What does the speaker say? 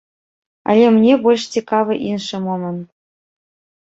Але мне больш цікавы іншы момант.